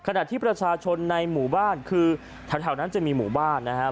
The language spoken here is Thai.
ขณะที่ประชาชนในหมู่บ้านคือแถวนั้นจะมีหมู่บ้านนะครับ